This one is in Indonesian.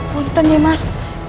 bonteng ya mas